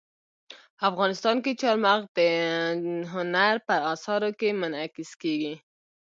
افغانستان کې چار مغز د هنر په اثار کې منعکس کېږي.